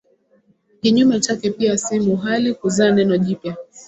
Kinyume chake pia si muhali kuzaa neno jipya